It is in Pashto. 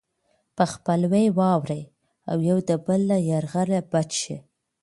په خپلوۍ واوړي او د يو بل له يرغله بچ شي.